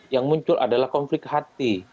yang muncul adalah konflik hati